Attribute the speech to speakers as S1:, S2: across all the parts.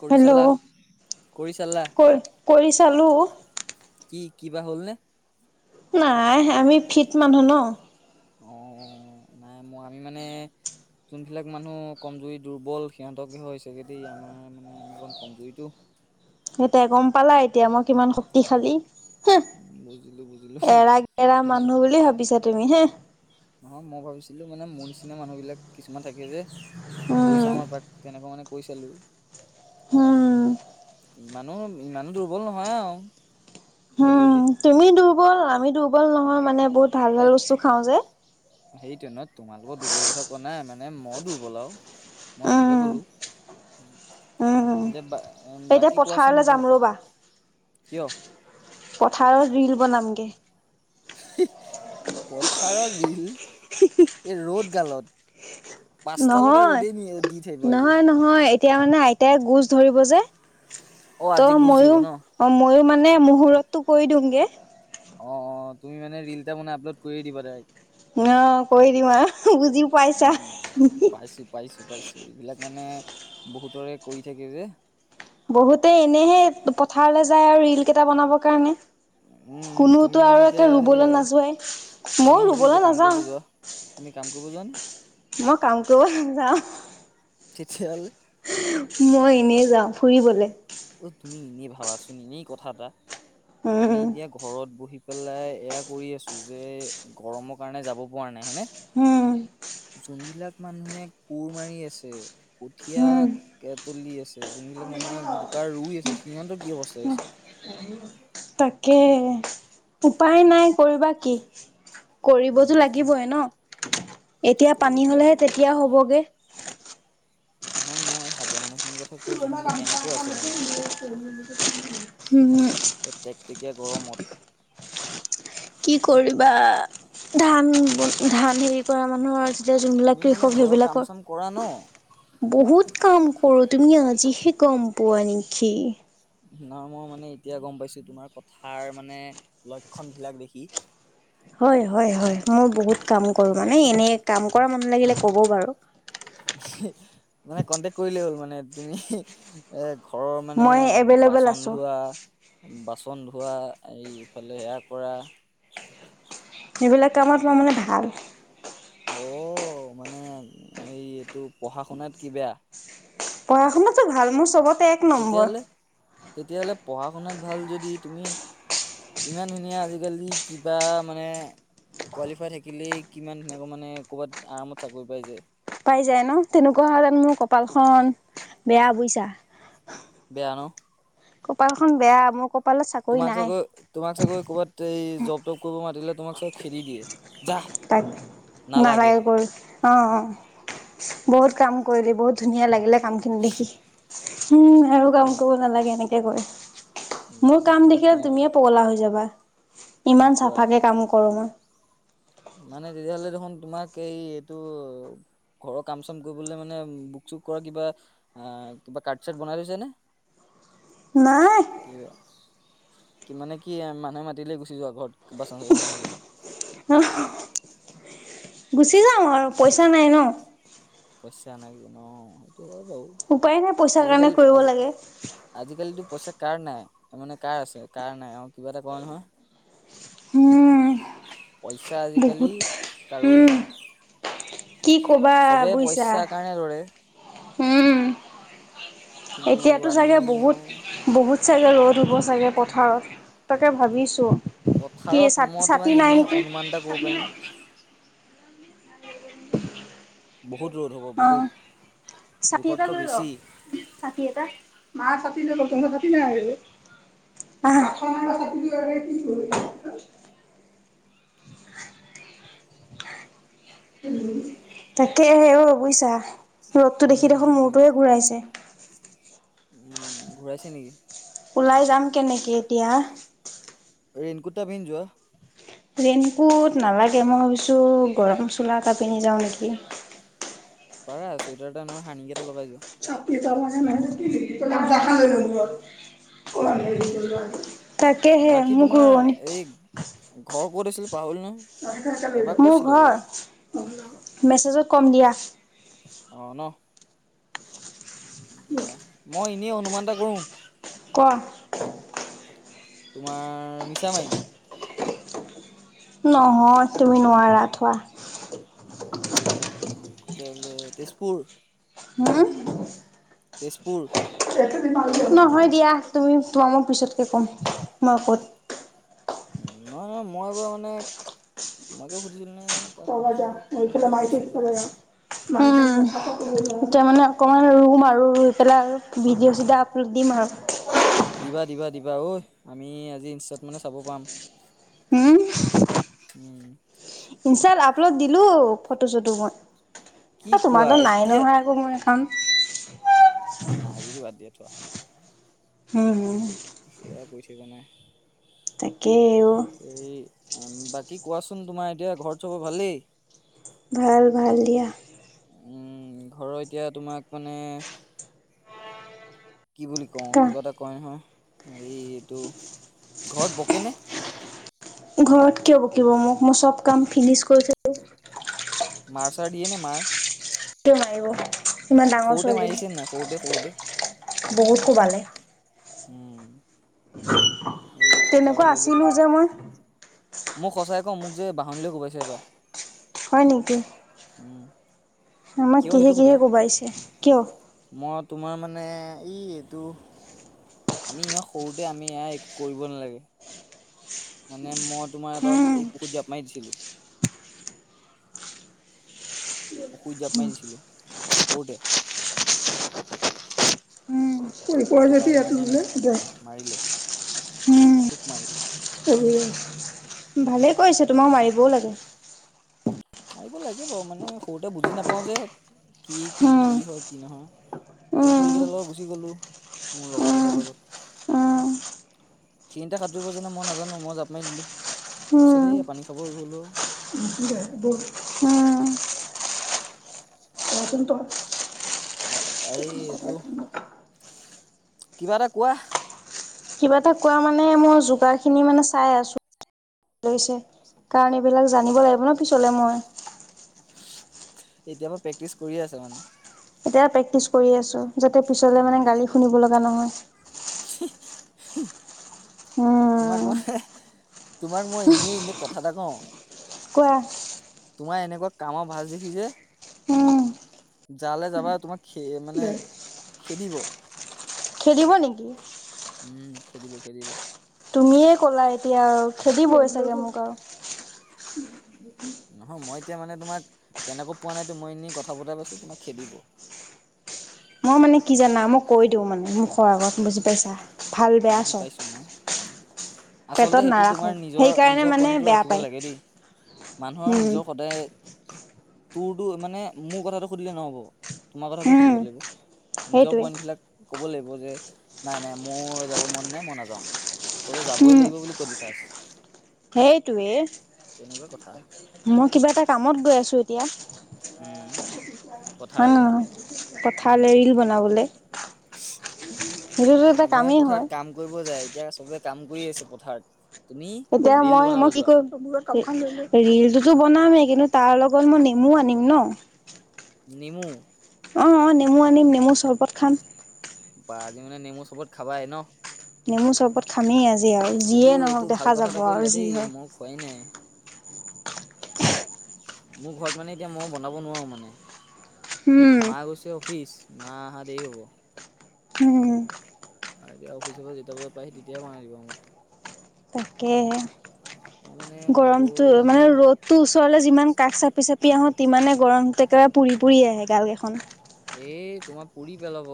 S1: কৰি
S2: হেল্ল'
S1: চালা কৰি চালা
S2: ক কৰি চালোঁ।
S1: কি কি বা হ'লনে
S2: নাই আমি ফিট মানুহ ন
S1: অ নাই মোৰ আমি মানে যোনবিলাক মানুহ কমজুৰি দুৰ্বল সিহঁতকে হৈ হৈছোগে দেই আমাৰ মানে আমি অকণ কমজুৰিতটো
S2: এতিয়া গম পালা এতিয়া মই কিমান শক্তিশালী হ
S1: বুজিলো বুজিলো
S2: এৰা গেৰা
S1: ইমান
S2: মানুহ বুলি ভাবিছা তুমি হা
S1: নহয় মই ভাবিছিলো মানে মোৰ নিচিনা মানুহ বিলাক কিছুমান থাকে যে
S2: উম
S1: কৈছা মই পাত তেনেকুৱা মানে কৈ চালো
S2: হম
S1: ইমানো ইমানো দুৰ্বল নহয় আৰু হ'ল বুলি
S2: উম তুমি দুৰ্বল আমি দুৰ্বল নহয় মানে বহুত ভাল ভাল বস্তু খাও যে
S1: সেই ট্ৰেনত তোমালোকৰ দুৰ্বল কথা কোৱা নাই মানে মই দুৰ্বল আৰু মই সেইটোকে
S2: উম
S1: ক'লো
S2: উম
S1: এতিয়া উ
S2: এতিয়া
S1: বাকী
S2: পথাৰলৈ
S1: কোৱাচোন
S2: যাম ৰ'বা
S1: কিয়
S2: পথাৰত ৰীল বনামগে
S1: পথাৰৰ ল এই ৰ'দগালত
S2: নহয়
S1: থাকিব আজি।
S2: নহয় নহয় এতিয়া মানে আইতাই গোজ ধৰিব যে
S1: অ
S2: ত
S1: আজি গুচ ধৰিব
S2: মইো
S1: ন?
S2: অ ময়ো মানে মুহুৰৰতটো কৈ দিমগে
S1: অ অ তুমি মানে ৰিল এটা মানে আপলোড কৰিয়ে দিব তাইক
S2: আহ কৈ দিম আৰু বুজিও পাইছা
S1: ত' এইবিলাক মানে বহুতৰে কৰি থাকে যে
S2: বহুতে এনেহে পথাৰলে যায় আৰু ৰিল কেইটা বনাবৰ কাৰণে
S1: উম তুমি
S2: কোনোতো
S1: মানে
S2: আৰু
S1: এতিয়া
S2: একে ৰুবলৈ
S1: সেয়াই
S2: নাযোৱাই
S1: তুমি
S2: মইও
S1: সেইটো এতিয়া
S2: ৰুবলৈ
S1: কাম কৰিব
S2: নাযাওঁ
S1: যোৱা। তুমি কাম কৰিব যোৱাানে
S2: মই কাম কৰব যাওঁ
S1: চিঠাল
S2: মই এনেই যাওঁ ফুৰিবলে
S1: অঐ তুমি এনেই ভাবাচোন এনেই কথা এটা আমি
S2: উম,
S1: এতিয়া ঘৰত বহি পেলাই এয়া কৰি আছো যে গৰমৰ কাৰণে যাব পৰা নাই হয়নে
S2: উ
S1: যোনবিলাক মানুহে কোৰ মাৰি আছে
S2: উম,
S1: কঠিয় তলি আছে যোনবিলাক মানে বোকা ৰুই আছে সিহঁতৰ কি অৱস্থা হৈছে
S2: তাকে উপায় নাই কৰিবা কি
S1: উম
S2: কৰিবতো
S1: সেয়া
S2: লাগিবইে ন এতিয়া পানী
S1: কৰিবতো
S2: হলেহে
S1: লাগিব
S2: তেতিয়া হ'বগে
S1: নহয় মই এই হাজিয়ৰা মানুহ
S2: [inaudible]
S1: এই েকটেকীয়া গৰমত
S2: হয় কি কৰিবা ধান ধান হেৰি কৰা মানুহৰ এতিয়া
S1: তুমি
S2: যোনবিলাক
S1: মানে
S2: কৃষক
S1: ঘৰৰ কাম চাম কৰা ন
S2: সেইবিলাকৰ বহুত কাম কৰ তুমি আজিহে গম পোৱা নেকি
S1: নাই মই মানে এতিয়া গম পাইছো তোমাৰ কথাৰ মানে লক্ষণ বিিলাক দেখি
S2: হয় হয় হয় মই বহুত কাম কৰো মানে এনে কাম কৰা মানুহ লাগিলে কব বাৰু
S1: মানে কন্টেক্ট কৰিলেই হ'ল মানে তুমি এ ঘৰৰ মানে
S2: মই এভেইলেবল
S1: বাচন
S2: আছোঁ
S1: ধোৱা বাচন পচন ধোৱা এইফালে সেয়া কৰা
S2: সেইবিলাক কামত মাৰ মানে ভাল
S1: অ মানে এই এইটো পঢ়া শুনাত কি বেয়া
S2: পঢ়া শুনাতো ভাল মোৰ চবতে এক নম্বৰ
S1: তেতিয়াাহ'লে পঢ়া শুনাত ভাল যদি তুমি ইমান ধুনীয়া আজিকালি কিবা মানে কোৱালিফাই থাকিলেই কিমান ধুনো মানে ক'ৰবাত আৰামত চাকৰি পাই যোয়
S2: পাই যায় ন তেনেকুৱা হণ মোৰ কপাল খন বেয়া বুইছা
S1: জানো
S2: কপাল খ বেয়া মোৰ ক
S1: তোমাক চাগৈ তোমাক চাগৈ ক'ৰবাত এই জব তব কৰিব মাতিলে তোমাক চাগ খেদি দিয়ে যাহ
S2: তাক নালাগে কৰি অ', অ', বহুত কাম কৰিলি বহুত ধুনীয়া লাগিলে কামখিনি দেখি। উম, আৰু
S1: তোম
S2: কাম কৰিব নালাগে এনেকে কয়। মোৰ
S1: উম,
S2: কাম
S1: তোমাক
S2: দেখিয়ে
S1: তেনে
S2: তুমিয়ে পগলা হৈ যাবা,
S1: কি
S2: ইমান
S1: কোৱা
S2: চাফাকে কামো কৰো মই।
S1: মানে তেতিয়াহ'লে দেখোন তোমাক এই এইটো ঘৰৰ কাম চাম কৰিবলে মানে বুক চুক কৰা কিবা অ', কিবা কাৰ্ড চাৰ্ট বনাই লৈছে নে?
S2: [unintelligible] নাই
S1: [unintelligible] তুমি মানে কি আ মানুহে মাতিলে গুচি যোৱা ঘৰত বাচন চাচন ধুবলৈ।
S2: গুচি যাওঁ আৰু পইচা নাই ন।
S1: পইচা নাই যে ন, সেইটো হয় বাৰু।
S2: উপায় নাই পইচাৰ কাৰণে
S1: আজিকালি
S2: কৰিব
S1: আজি
S2: লাগে।
S1: আজিকালিতো পইচা কাৰ নাই, মানে কাৰ আছে কাৰ নাই অ', কিবা এটা কয় নহয়।
S2: উম
S1: পইচা আজিকালি
S2: বহুত
S1: কাৰোৰে
S2: উম
S1: নাই।
S2: কি ক'বা
S1: চবে
S2: বুইছা।
S1: পইচাৰ কাৰণে দৌৰে
S2: উম।
S1: কিন্তু
S2: এতিয়াতো
S1: আমি
S2: চাগে বহুত,
S1: আৰু
S2: বহুত চাগে ৰ'দ হ'ব চাগে পথাৰত, তাকে ভাবিছোঁ।
S1: পথাৰত মই তোমাক এনেই অনুমান এটা ক'ব পাৰিম। বহুত ৰ'দ হ'ব বহুত
S2: অ', ছাতি এটা
S1: জোখতকৈ
S2: লৈ লওঁক
S1: বেছি
S2: ছাতি এটা। মা প কিন্তু নতুনকে ফাতি নাই আৰু। আঁহ [unintelligible] [inaudible] তাকেহে অ', বুইছা। ৰ'দতো দেখি
S1: উম
S2: দেখোন
S1: বুজি
S2: মূৰটোৱে ঘূৰাইছে।
S1: উম, ঘূৰাইছে নেকি?
S2: ওলাই যাম কেনেকে এতিয়া?
S1: ৰেইনকোতটা পিন্ধ যোৱা।
S2: ৰেইনকোট নালাগে, মই ভাবিছোঁ গৰম চোলা এটা পিন্ধি যাওঁ নেকি।
S1: পাৰা চুৱেটাৰ এটা নয় হাইনেক এটা লগাই যোৱা।
S2: [unintelligible] তাকেহে
S1: বাকী
S2: মোক
S1: তোমাৰ
S2: ৰোৱন
S1: এই ঘৰ ক'ত আছিল পাহৰিলোঁ নহয়, এবাৰ
S2: মোৰ
S1: কৈছিলা
S2: ঘৰ
S1: বাৰু।
S2: মেছেজত ক'ম দিয়া।
S1: অ', ন দিয়া, মই এনেই অনুমান এটা কৰোঁ।
S2: কোৱা [inaudible]
S1: তোমাৰ মিছামাৰী।
S2: নহয় তুমি নোৱাৰা থোৱা।
S1: তেন্তে তেজপুৰ।
S2: হুম?
S1: তেজপুৰ।
S2: নহয় দিয়া তুমি তোমামোক পিছতকে ক'ম, মই ক'ত।
S1: নহয় নহয় মই বাৰু মানে, তোমাকে সুধিছিলোঁ নে কাক
S2: [unintelligible]
S1: সুধিছিলো কোনোবা এটা কৈছিলে
S2: উম, এতিয়া মানে অকণমান ৰুম আৰু, ৰুই পেলাই ভিডিঅ' চিডিঅ' আপলোড দিম আৰু।
S1: দিবা দিবা দিবা ঐ, আমি আজি ইনষ্টাত মানে চাব পাম।
S2: উম [inaudible]
S1: উম।
S2: ইনষ্টাত আপলোড দিলোঁ ফটো চটো মই।
S1: কি
S2: এ তোমাৰ
S1: কোৱা
S2: তাত নাই
S1: এতিয়া
S2: নহয় আকৌ মোৰ একাউন্ট।
S1: এ নাই যদি বাদ দিয়া থোৱা।
S2: হম হু
S1: সেয়া প থাকিব নাই
S2: তাকেইও
S1: উ বাকী কোৱাচোন তোমাৰ এতিয়া ঘৰ চবৰ ভালেই
S2: ভাল ভাল দিয়া
S1: উম ঘৰৰ এতিয়া তোমাক মানে কি বুলি কওঁ
S2: কা
S1: কিবা এটা কয় নহয় এই এইটো ঘৰত বকেনে
S2: ঘৰত কিয় বকিব মোক মই চব কাম ফিনিছ কৰিছিলো
S1: মাৰ চাৰ দিয়ে নে মাৰ
S2: মাৰিব ইমান ডাঙৰ
S1: সৰুতে
S2: ছোৱালীজনী
S1: মাৰিছে নে নাই সৰুতে সৰুতে
S2: বহুত কোবালে
S1: হম
S2: তেনেকুৱা আছিলে যে মই
S1: মোক সঁচাই ক মোক যে বাহনী কোবাইছে এবাৰ
S2: হয় নেকি
S1: উম,
S2: আমাক
S1: কিয়
S2: কিহে
S1: সেইটো
S2: কিহে
S1: সোধা?
S2: কোবাইছে কিয়
S1: মই তোমাৰ মানে এই এইটো আমি ইমান সৰুতে আমি কৰিব নালাগে মানে মই তোমাৰ এবাৰ
S2: উম,
S1: এই পুখুৰীত জাপ মাৰি দিছিলো অসুধ জাপ মাই দিছিলো সৰুতে
S2: এইকোৱা
S1: সেইটো
S2: যদি
S1: কাৰণে
S2: ইয়াত
S1: মানে
S2: ললেয়
S1: মাৰিলে
S2: উম স
S1: খুব মাৰিলে।
S2: ভালেই কৰিৈছে তোমাক মাৰিবও লাগে
S1: মাৰিব লাগে বাৰু মানে সৰুতে বুজি নাপাও যে কি কি কি হয় কি নহয় সৰু
S2: উম,
S1: পোৱালিকেইটাৰ লগত গুচি গ'লো মোৰ লগৰ কেইটাৰ
S2: উম,
S1: লগত
S2: উম,
S1: সেইিনটা সাঁতুৰিব যোনে মই নাজানো মই জাপ মি দিলো তাৰপিছত সেই পানী খাব গলো
S2: উম বল
S1: [inaudible]
S2: তচোন তই
S1: আ আহটো কিবা এটা কোৱা
S2: কিবা এটা কোৱা মানে মই যোগাৰ খিনি মানে চাই আছো লৈছে কাৰণ এইবিলাক জানিব লাগিব ন কিি চলে মই
S1: এতিয় পৰাা প্ৰেক্টিচ কৰি আছে মানে
S2: এতিয়া প্ৰেক্টিচ কৰি আছো যাতে পিছলে মানে
S1: উম
S2: গালি শুনিব লগা নহয়
S1: [inaudible] তোমাক
S2: উম,
S1: মই তোমাক মই এনেই এনেই কথা এটা কওঁ
S2: কোৱা
S1: তোমাৰ এনেকুৱা কামৰ ভাজ দেখি যে
S2: উম।
S1: যালে যাবা তোমাক খে মানে খেদিব
S2: খেদিব নেকি
S1: উম খেদিব খেদিব
S2: তুমিয়ে কলা এতিয়া আৰু খেদিবই চাগে মোক আৰু
S1: নহয় মই এতিয়া মানে তোমাক তেনেকো পোৱা নাইতো মই এনেই কথা পতাই পাইছো তোমাক খেদিব
S2: মই মানে কি জানা মই কৈ দিওঁ মানে মুখৰ আগত বুজি পাইছা ভাল বেয়া
S1: বুজি
S2: চব
S1: পাইছোঁ মই উম। আচলতে
S2: পেটত
S1: সেইটো
S2: নাৰাখো
S1: তোমাৰ নিজৰ
S2: সেইকাৰণে
S1: নিজৰ
S2: মানে
S1: পইণ্টটো
S2: বেয়া
S1: ৰাখিব
S2: পায়
S1: লাগে দেই মানুহৰ
S2: উম।
S1: নিজৰ সদায় তোৰতো মানে মোৰ কথাাতটো সুধিলে নহব তোমাৰ কথাাতটো
S2: উম
S1: সুধিব লাগিব নিজৰ
S2: সেইটোৱে
S1: পইন্ট বিলাক কব লাগিব যে নাই নাই মোৰ যাব মন নাই মই নাযাও ততে যাবই
S2: উম
S1: লাগিব বুলি কলি খাচ
S2: সেইটোৱে
S1: তেনেকুৱা কথা
S2: মই কিবা এটা কামত গৈ আছো এতিয়া
S1: উম
S2: হা ন
S1: পথাৰলে উম।
S2: কথলে ীল বনাবলৈ
S1: মানুহে
S2: হয়।
S1: পথাৰত কাম কৰিব যায় এতিয়া চবে কাম কৰি আছে পথাৰত তুমি
S2: এতিয়া
S1: ৰিল
S2: মই
S1: বনাব
S2: মই কি
S1: যোৱা
S2: কৰিমল টো বনামেই কিন্তু তাৰ লগত মই নেমু আনিম ন
S1: নিমু
S2: অঁ অঁ নেমু আনিম নেমু চৰবত খাম
S1: বা আজি মানে নেমু চবত খাবাই ন
S2: নেমু চৰবত খামেই আছে
S1: এইটো এইটো ভাল কথা এটা কৰিলা দেই
S2: হয়।
S1: মই খোৱাই নাই
S2: [inaudible]
S1: মোৰ ঘৰত মানে এতিয়া মই বনাব নোৱাৰো মানে মা গৈছে অফিচ মা অহা দেৰি হব
S2: উম
S1: আৰু এতিয়া অফিচৰ পৰা যেতিয়া বজাত পাইি তেতিয়াই বনাই দিব আ মোক মই মানে বনাব
S2: গৰমতটো
S1: জানো
S2: মানে ৰ'দতটো ওচৰলে যিমান কাষ চাপি চাপি আহো তিমানে গৰমতে একেবাৰে পুৰি পুৰি আহে গাল কেইখন
S1: এ তোমাৰ পুৰি পেলাব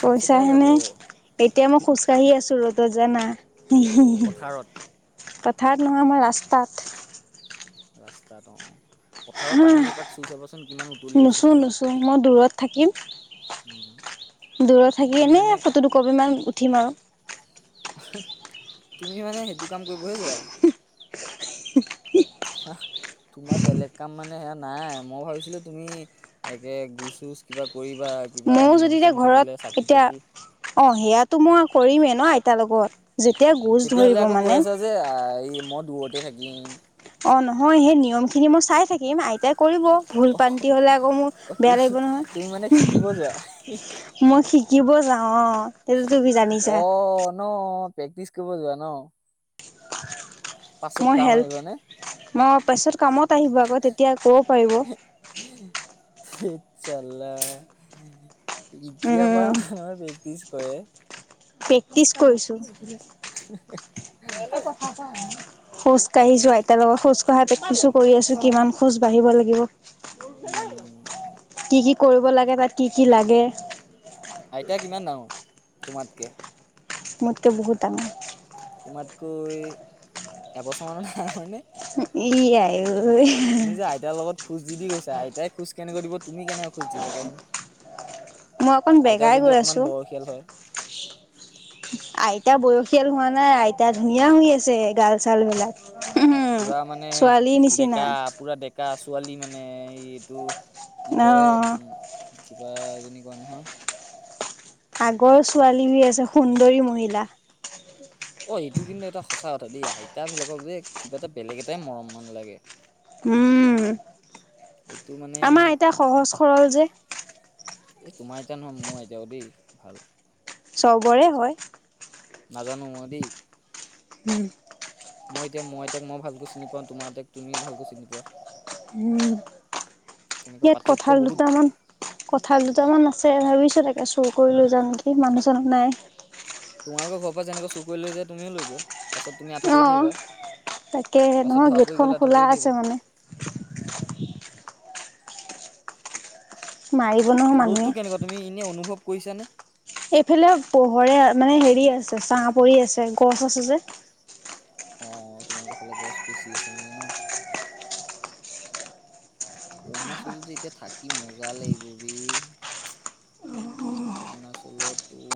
S2: পইচা
S1: চেকচেকাই যাব
S2: হেনেে এতিয়া মই খোজকাঢ়ি আছো ৰ'দত জানা
S1: পথাৰত
S2: পথাৰ নহয় আমাৰ ৰাস্তাত
S1: ৰাস্তাটো পথাৰৰ
S2: হা
S1: পানীয়ে এপাক চুই চাবাচোন কিমান উতলি আছে
S2: নুচো
S1: চাবা
S2: নুচো মই দূৰত থাকিম
S1: উম
S2: দূৰত থাকি
S1: তুমি
S2: এনে
S1: মানে
S2: ফটো দুকপি মান উঠিম আৰু
S1: তুমি মানে সেইটো কাম কৰিবহে যোৱা তোমাৰ তোমাৰ বেলেগ কাম মানে সেয়া নাই মই ভাবিছিলো তুমি একে গোচ -চুচ কিবা কৰিবা কিবা
S2: ময়ো
S1: নিয়ম
S2: যদি এতিয়া
S1: চিয়ম
S2: ঘৰত
S1: থাকিলে চাকি
S2: এতিয়া
S1: তাকি
S2: অঁ সেয়াটো মই কৰিমেই ন আইতাৰ লগত যেতিয়া গোজ
S1: তেতিয়াহ'লে
S2: ধৰিব
S1: আকৌ কৈ
S2: মানে
S1: আছ যে এই মই দূৰতে থাকিম।
S2: অ নহয় সেই নিয়ম খিনি মই চাই থাকিম আইতাই কৰিব, ভুল -পান্তি হলে আকৌ মোৰ
S1: অ
S2: বেয়া
S1: তুমি
S2: লাগিব নহয়
S1: তুমি মানে শিকিব যোৱা
S2: মই শিকিব যাওঁ অ সেইটো তুমি জানিছা
S1: অ ন প্ৰেক্টিচ কৰিব যোৱা ন পাছত
S2: মই
S1: কাম
S2: হেল্প
S1: আহিবনে
S2: মই পাছত কামত আহিব আকৌ তেতিয়া ক'ব পাৰিব
S1: চালা এতিযয়া
S2: উম
S1: পৰা মানুহে প্ৰেক্টিচ ক
S2: প্ৰেক্টিচ কৰিছো খো কাঢ়িচো আইতাৰ লগত খোজ কাঢ়া প্ৰেক্টিছ ও কৰি আছো কিমান খোজ বাঢ়িব লাগিব
S1: উম
S2: কি কি কৰিব লাগে তাত কি কি লাগে
S1: আইতা কিমান ডাঙৰ তোমাতকে
S2: মোতকৈ বহুত ডাঙৰ
S1: তোমাতকৈ এবছৰমানৰ ডাঙৰ নে?
S2: ইয়াই অই
S1: তুমি যে আইতাৰ লগত খোজ দি দি গৈছা আইতাই খোজ কেনেকৈ দিব তুমি কেনেকৈ খোজ দিবা কচোন
S2: মই অকণ বেগাই গৈ আছো
S1: বয়সীয়াল হয়
S2: আইতা বয়সীয়াল হোৱা নাই আইতা ধুনীয়া হৈ আছে গাল চাল বিলাক উম
S1: পুৰা মানে
S2: ছোৱালীৰ নিচিনা
S1: ডেকা পুৰা ডেকা ছোৱালী মানে এইটো কি কয়
S2: অ'।
S1: উম বা এজনী কয় নহয়
S2: আগৰ ছোৱালী হৈ আছে সুন্দৰী মহিলা
S1: অ এইটো কিন্তু এটা সঁচা কথা দেই আইতা বিলাকক যে কিবা এটা বেলেগ এটাই মৰম মান লাগে
S2: উম
S1: এইটো মানে
S2: আমাৰ আইতা সহজ সৰল যে
S1: এ তোমাৰ আইতা নহ'য় মুৰ আইতাও দেই ভাল
S2: চবৰে হয়
S1: নাজানো মদেই
S2: উম
S1: মই এতিয়া মুৰ আইতাক মই ভালকৈ চিনি পাওঁ তোমাৰ আইতাক তুমি ভালকৈ চিনি পোৱা
S2: উম
S1: তেনেকুৱা
S2: ইয়াত
S1: পাৰ্থক্য
S2: কঁঠাল
S1: বহুত
S2: দুটামান কঁঠাল দুটামান আছে ভাবিছো তাকে চুৰ কৰি লৈ যাও নেকি সেই মানুহ- চানু নাই
S1: তোমালোকৰ ঘৰ পৰা যেনেকৈ চু কৰি লৈ যায় তুমও লৈ যোৱা পাছত তুমি আঁঠু
S2: অ
S1: কাঢ়ি থাকিবা
S2: তাকে
S1: পাছত
S2: নহয়
S1: ধৰা পৰি
S2: গেটখন
S1: গ'লে আঁঠু
S2: খোলা
S1: কাঢ়ি
S2: আছে
S1: থাকিবা
S2: মানে মাৰিব নহয় মানুহে
S1: কৈছানে
S2: এইফালে পোহৰে মানে হেৰি আছে ছাহ পৰি আছে গছ আছে যে
S1: অ তোমালোকৰ ফালে গছ বেছি আছে মানে ন অৰুণাচলত যে যেতিয়া থাকি মজা লাগিব বে অৰুণাচলতো